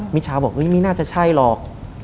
มิชาบอกไม่น่าจะใช่หรอก